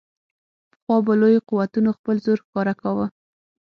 پخوا به لویو قوتونو خپل زور ښکاره کاوه.